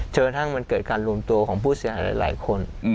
กระทั่งมันเกิดการรวมตัวของผู้เสียหายหลายคน